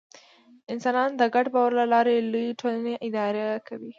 انسانان د ګډ باور له لارې لویې ټولنې اداره کوي.